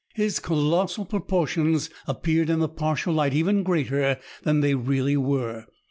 His colossal proportions appeared in the partial light even greater than they really were.